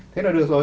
thế là được rồi